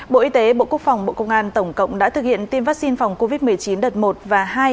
bộ y tế bộ quốc phòng bộ công an tổng cộng đã thực hiện tiêm vaccine phòng covid một mươi chín đợt một và hai